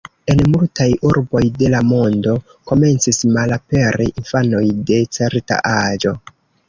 En multaj urboj de la mondo komencis malaperi infanoj de certa aĝo.